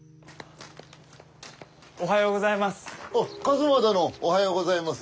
おはようございます。